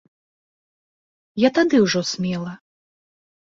Я тады ўжо смела.